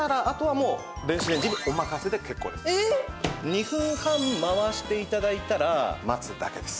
２分半回して頂いたら待つだけです。